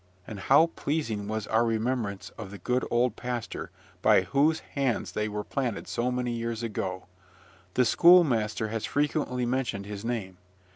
and how pleasing was our remembrance of the good old pastor, by whose hands they were planted so many years ago: The schoolmaster has frequently mentioned his name.